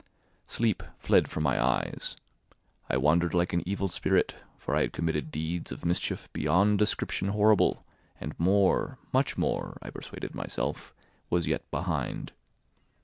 Sleep fled from my eyes; I wandered like an evil spirit, for I had committed deeds of mischief beyond description horrible, and more, much more (I persuaded myself) was yet behind.